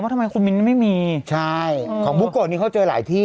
ทำไมคุณมิ้นไม่มีใช่ของบุโกะนี่เขาเจอหลายที่